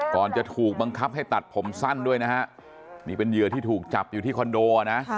ก่อนจะถูกบังคับให้ตัดผมสั้นด้วยนะฮะนี่เป็นเหยื่อที่ถูกจับอยู่ที่คอนโดนะ